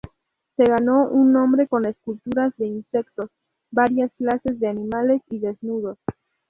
Se ganó un nombre con esculturas de insectos, varias clases de animales y desnudos.